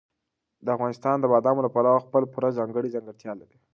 افغانستان د بادامو له پلوه خپله پوره ځانګړې ځانګړتیا لري.